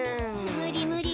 無理無理。